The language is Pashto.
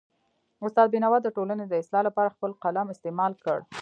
استاد بینوا د ټولنې د اصلاح لپاره خپل قلم استعمال کړ.